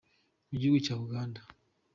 Mugihugu cya Uganda.